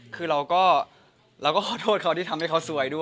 คือเราก็ขอโทษเขาที่ทำให้เขาซวยด้วย